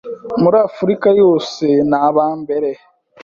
muri Afurika yose ni abambere